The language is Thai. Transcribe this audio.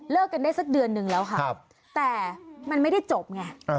เลิกกันได้สักเดือนหนึ่งแล้วค่ะแต่มันไม่ได้จบไงอ่าฮะ